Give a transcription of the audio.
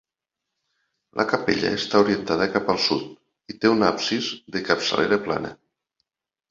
La capella està orientada cap al sud i té un absis de capçalera plana.